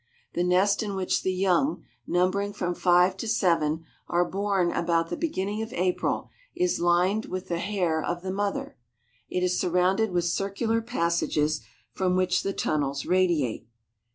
The nest in which the young, numbering from five to seven, are born about the beginning of April, is lined with the hair of the mother. It is surrounded with circular passages from which the tunnels radiate.